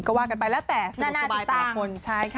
ก็ว่ากันไปแล้วแต่สะดวกสบายต่อคน